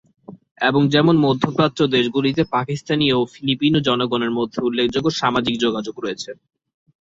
এবং যেমন মধ্যপ্রাচ্য দেশগুলিতে পাকিস্তানি ও ফিলিপিনো জনগণের মধ্যে উল্লেখযোগ্য সামাজিক যোগাযোগ রয়েছে।